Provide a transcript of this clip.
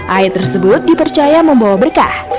ayat tersebut dipercaya membawa berkah